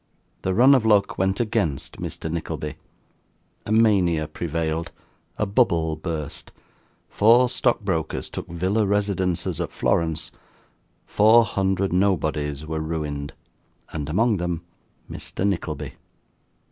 The run of luck went against Mr. Nickleby. A mania prevailed, a bubble burst, four stock brokers took villa residences at Florence, four hundred nobodies were ruined, and among them Mr. Nickleby.